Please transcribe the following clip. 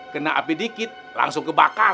kena api dikit langsung kebakar